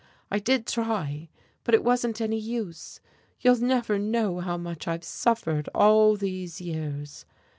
I did try, but it wasn't any use. You'll never know how much I've suffered all these years.